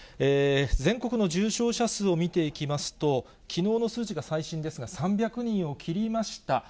全国の重症者数を見ていきますと、きのうの数値が最新ですが、３００人を切りました。